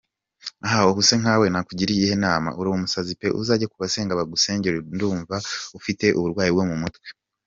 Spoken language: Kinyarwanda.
Ahhj ubuse nkawe nakugira iyihenama urumusazi pe uzajye kubasenga bagusengere ndunva ufite uburwayi bwomumutwe.